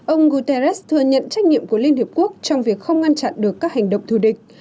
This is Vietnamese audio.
ông guterres thừa nhận trách nhiệm của liên hiệp quốc trong việc không ngăn chặn được các hành động thù địch